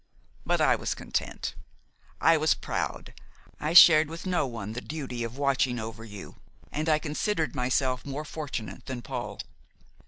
But I was content; I was proud. I shared with no one the duty of watching over you, and I considered myself more fortunate than Paul.